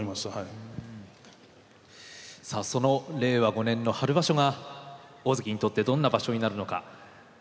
さあその令和５年の春場所が大関にとってどんな場所になるのか